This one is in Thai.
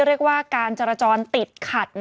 เรียกว่าการจราจรติดขัด